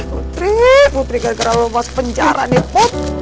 putri putri gak kera lo mas penjara nih put